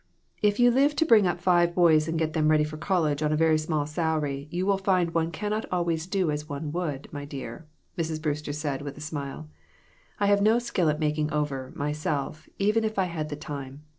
" If you live to bring up five boys and get them ready for college on a very small salary, you will find one cannot always do as one would, my dear," Mrs. Brewster said, with a smile. " I have no skill at making over, myself, even if I had the time.